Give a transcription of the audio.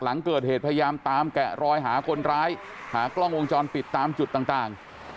หลังเกิดเหตุพยายามตามแกะรอยหาคนร้ายหากล้องวงจรปิดตามจุดต่าง